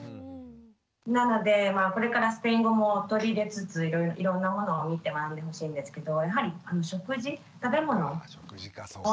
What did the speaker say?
なのでこれからスペイン語も取り入れつついろんなものを見て学んでほしいんですけどやはり食事食べ物。